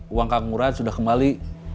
uang kanguran sudah kembali